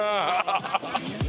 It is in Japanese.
ハハハハ！